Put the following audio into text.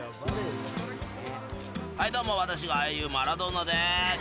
はいどうも私は英雄マラドーナです。